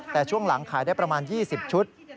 แต่ช่วงหลังขายได้ประมาณ๒๐ชุด